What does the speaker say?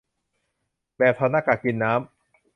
แบบถอดหน้ากากกินน้ำ